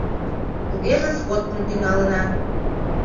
— Тугеже сходкым тӱҥалына.